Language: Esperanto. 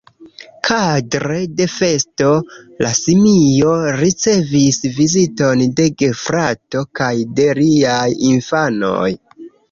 Kadre de festo, la simio ricevis viziton de gefrato kaj de riaj infanoj.